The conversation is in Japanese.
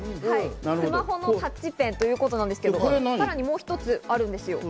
スマホのタッチペンということで、さらにもう一つあるんですけれども。